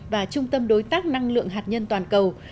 và trung tâm đối tác năng lượng hạt nhân toàn cầu